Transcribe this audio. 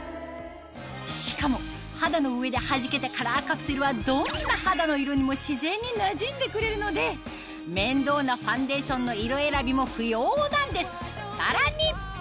しかも肌の上ではじけたカラーカプセルはどんな肌の色にも自然になじんでくれるので面倒なファンデーションの色選びも不要なんですさらに！